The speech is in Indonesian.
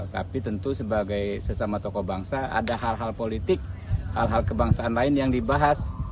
tapi tentu sebagai sesama tokoh bangsa ada hal hal politik hal hal kebangsaan lain yang dibahas